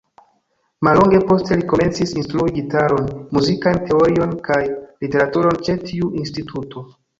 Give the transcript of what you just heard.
Mallonge poste li komencis instrui gitaron, muzikan teorion kaj literaturon ĉe tiu instituto.